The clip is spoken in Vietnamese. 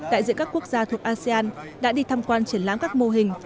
tại giữa các quốc gia thuộc asean đã đi thăm quan triển lãm các mô hình